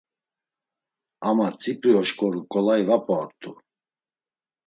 Ama tzipri oşǩoru ǩolayi va p̌a ort̆u.